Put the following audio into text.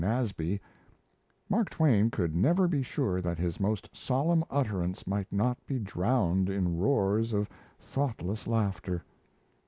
Nasby, Mark Twain could never be sure that his most solemn utterance might not be drowned in roars of thoughtless laughter.